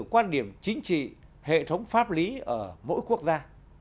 quan điểm chính trị hệ thống pháp lý ở mỗi quốc gia